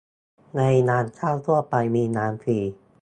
ในร้านข้าวทั่วไปมีน้ำฟรี